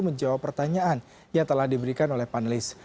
menjawab pertanyaan yang telah diberikan oleh panelis